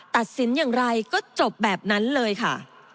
ตัดสินอย่างไรก็จบแบบนั้นเลยค่ะ